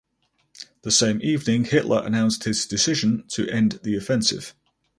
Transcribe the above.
The same evening Hitler announced his decision to end the offensive.